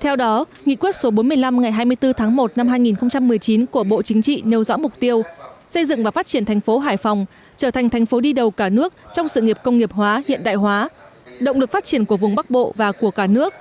theo đó nghị quyết số bốn mươi năm ngày hai mươi bốn tháng một năm hai nghìn một mươi chín của bộ chính trị nêu rõ mục tiêu xây dựng và phát triển thành phố hải phòng trở thành thành phố đi đầu cả nước trong sự nghiệp công nghiệp hóa hiện đại hóa động lực phát triển của vùng bắc bộ và của cả nước